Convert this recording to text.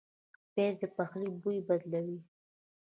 پیاز د پخلي بوی بدلوي